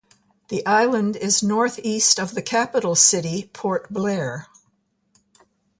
The island is northeast of the capital city, Port Blair.